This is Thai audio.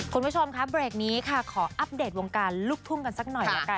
คุณผู้ชมครับเบรกนี้ค่ะขออัปเดตวงการลูกทุ่งกันสักหน่อยละกัน